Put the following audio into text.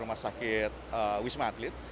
rumah sakit wisma atlet